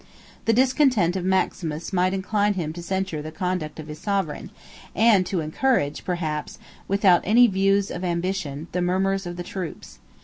The discontent of Maximus might incline him to censure the conduct of his sovereign, and to encourage, perhaps, without any views of ambition, the murmurs of the troops.